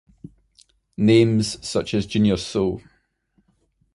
Names such as Junior Seau.